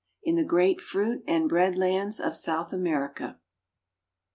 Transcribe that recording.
IN THE GREAT FRUIT A'^D BREAD LANDS OF SOUTH AMERICA.